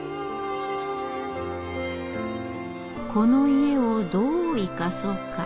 この家をどう生かそうか。